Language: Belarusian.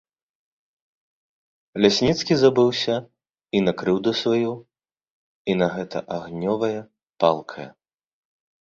Лясніцкі забыўся і на крыўду сваю, і на гэта агнёвае, палкае.